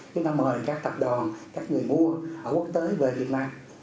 chúng ta mời các tập đoàn các người mua ở quốc tế về việt nam